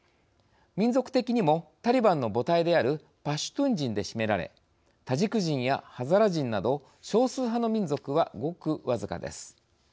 民族的にもタリバンの母体であるパシュトゥン人で占められタジク人やハザラ人など少数派の民族はごく僅かです。